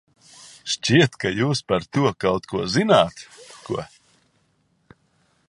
Šķiet, ka jūs par to kaut ko zināt, ko?